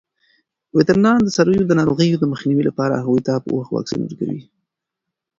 وترنران د څارویو د ناروغیو د مخنیوي لپاره هغوی ته په وخت واکسین ورکوي.